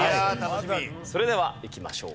それではいきましょう。